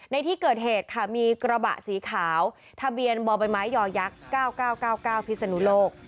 ในที่เกิดเหตุค่ะมีกระบะสีขาวทะเบียนบ่อใบไม้ยอยักษ์๙๙๙๙๙พิศนุโลก